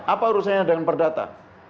apa urusannya dengan perdata